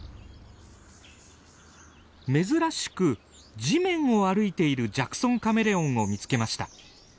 珍しく地面を歩いているジャクソンカメレオンを見つけました。